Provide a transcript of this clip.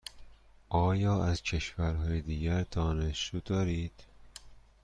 آیا از کشورهای دیگر دانشجو دارید؟